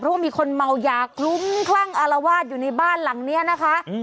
เพราะว่ามีคนเมายาคลุ้มคลั่งอารวาสอยู่ในบ้านหลังนี้นะคะ